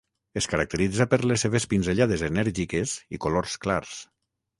Es caracteritza per les seves pinzellades enèrgiques i colors clars.